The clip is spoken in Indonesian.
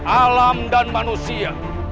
alam dan manusia